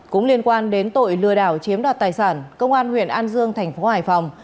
cũng liên quan đến tội lừa đảo chiếm đoạt tài sản công an huyện an dương tp hải phòng